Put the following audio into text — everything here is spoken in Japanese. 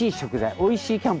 おいしいキャンプ。